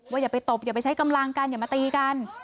อย่าไปตบอย่าไปใช้กำลังกันอย่ามาตีกัน